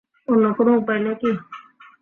অন্য কোনো উপায় নেই কি?